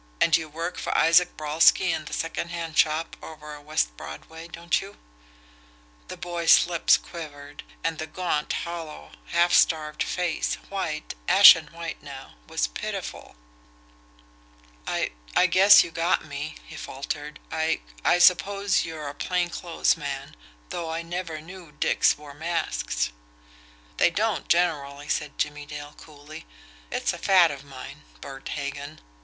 And you work for Isaac Brolsky in the secondhand shop over on West Broadway don't you?" The boy's lips quivered, and the gaunt, hollow, half starved face, white, ashen white now, was pitiful. "I I guess you got me," he faltered "I I suppose you're a plain clothes man, though I never knew dicks wore masks." "They don't generally," said Jimmie Dale coolly. "It's a fad of mine Bert Hagan."